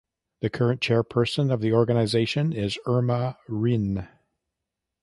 The current chairperson of the organisation is Irma Rinne.